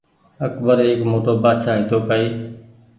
اڪبر ايڪ موٽو بآڇآ هيتو ڪآئي